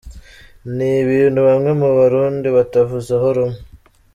Ni ibintu bamwe mu Barundi batavuzeho rumwe.